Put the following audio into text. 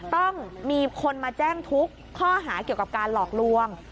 ต้องมีคนมาแจ้งทุกข้อหาเกี่ยวกับการหลอกลวง